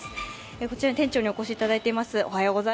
こちらに店長にお越しいただいています。